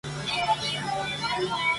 Más adelante surgiría la producción en serie.